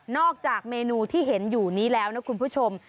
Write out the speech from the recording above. จากเมนูที่เห็นอยู่นี้แล้วนะคุณผู้ชม